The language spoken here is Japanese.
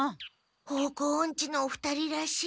方向オンチのお二人らしい。